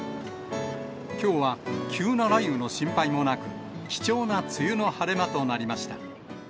きょうは急な雷雨の心配もなく、貴重な梅雨の晴れ間となりました。